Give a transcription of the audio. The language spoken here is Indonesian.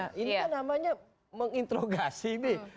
namanya mengintrogasi nih